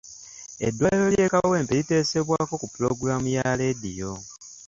Eddwaliro ly'e Kawempe liteesebwako ku pulogulaamu ya laadiyo.